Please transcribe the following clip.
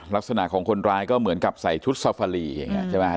ลักษณะของคนร้ายก็เหมือนกับใส่ชุดซาฟารีใช่ไหม